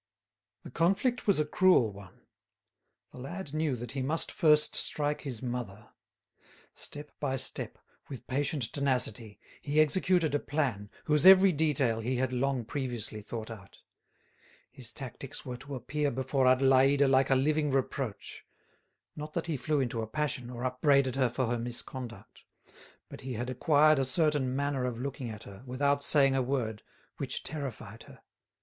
The conflict was a cruel one; the lad knew that he must first strike his mother. Step by step, with patient tenacity, he executed a plan whose every detail he had long previously thought out. His tactics were to appear before Adélaïde like a living reproach—not that he flew into a passion, or upbraided her for her misconduct; but he had acquired a certain manner of looking at her, without saying a word, which terrified her.